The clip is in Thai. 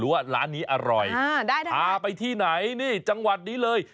ว่าร้านนี้อร่อยพาไปที่ไหนนี่จังหวัดนี้เลย